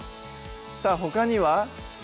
さぁほかには？